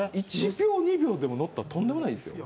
１秒２秒でものったらとんでもないですよ。